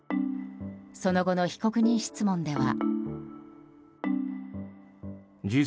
その後の被告人質問では。